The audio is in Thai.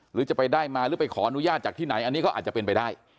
หรือจะไปได้มาหรือไปขออนุญาตจากที่ไหนอันนี้ก็อาจจะเป็นไปได้